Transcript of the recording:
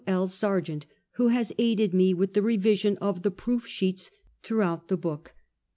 L. Sargant, who has aided me with the revision .of the proof sheets throughout the book.